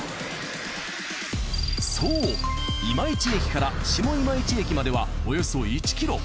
そう今市駅から下今市駅まではおよそ１ｋｍ。